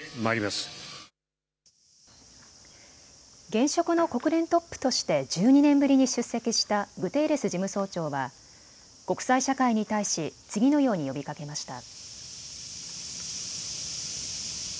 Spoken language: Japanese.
現職の国連トップとして１２年ぶりに出席したグテーレス事務総長は国際社会に対し次のように呼びかけました。